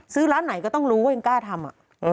ร้านไหนก็ต้องรู้ว่ายังกล้าทำ